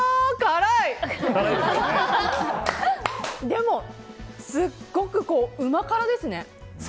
でも、すごくうま辛ですね。